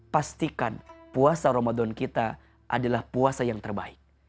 pastikan puasa ramadan kita adalah puasa yang terbaik